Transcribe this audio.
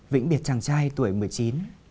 vĩnh biệt chàng trai tuổi một mươi chín